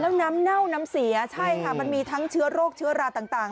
แล้วน้ำเน่าน้ำเสียใช่ค่ะมันมีทั้งเชื้อโรคเชื้อราต่าง